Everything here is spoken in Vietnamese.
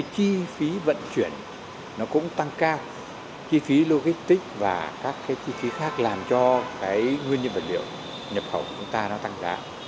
chi phí vận chuyển cũng tăng cao chi phí logistic và các chi phí khác làm cho nguyên nhân vật liệu nhập khẩu của chúng ta tăng giá